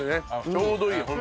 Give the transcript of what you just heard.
ちょうどいい。